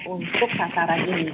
untuk sasaran ini